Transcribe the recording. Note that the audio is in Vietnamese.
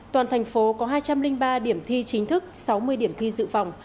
toàn thành phố có hai trăm linh ba điểm thi chính thức sáu mươi điểm thi dự phòng